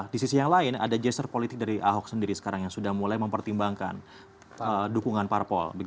di sisi yang lain ada gesture politik dari ahok sendiri sekarang yang sudah mulai mempertimbangkan dukungan parpol